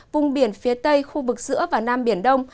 vùng biển phía tây khu vực giữa và nam biển đông